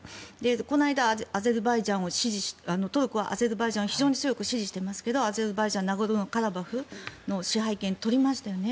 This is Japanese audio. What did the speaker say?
この間、アゼルバイジャンをトルコは非常に強く支持していますがアゼルバイジャンナゴルノカラバフの支配権を取りましたよね。